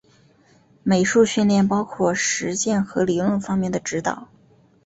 美术训练包括实践和理论方面的指导。